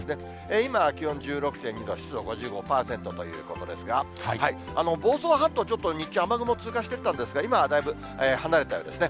今は気温１６．２度、湿度５５％ということですが、房総半島、ちょっと日中は雨雲通過していったんですが、今はだいぶ離れたようですね。